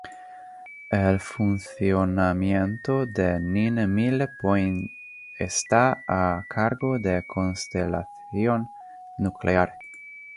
El funcionamiento de Nine Mile Point está a cargo de Constellation Nuclear.